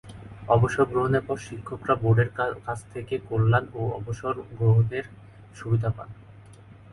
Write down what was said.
অবসর গ্রহণের পর শিক্ষকরা বোর্ডের কাছ থেকে কল্যাণ ও অবসর গ্রহণের সুবিধা পান।